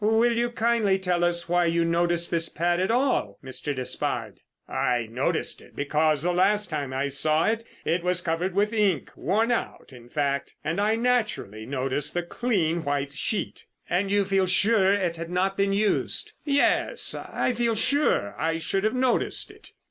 Will you kindly tell us why you noticed this pad at all, Mr. Despard?" "I noticed it because the last time I saw it, it was covered with ink—worn out, in fact—and I naturally noticed the clean white sheet." "And you feel sure it had not been used?" "Yes—I feel sure I should have noticed it."